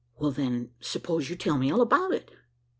"Well, then suppose you tell me all about it."